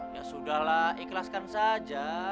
ya sudah lah ikhlaskan saja